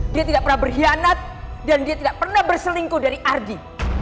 dia tidak pernah berkhianat dan dia tidak pernah berselingkuh dari ardi